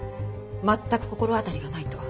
全く心当たりがないと。